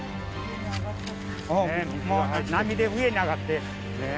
もう波で上に上がって。